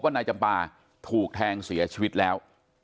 นายจำปาถูกแทงเสียชีวิตแล้ว